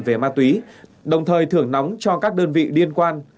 về ma túy đồng thời thưởng nóng cho các đơn vị liên quan